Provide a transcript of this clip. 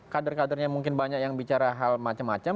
kader kadernya mungkin banyak yang bicara hal macam macam